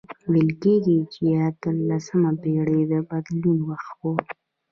ویل کیږي چې اتلسمه پېړۍ د بدلون وخت و.